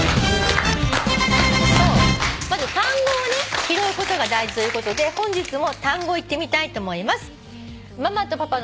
まず単語をね拾うことが大事ということで本日も単語いってみたいと思います。